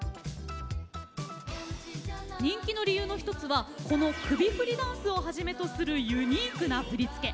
人気の理由の１つはこの首振りダンスをはじめとするユニークな振り付け。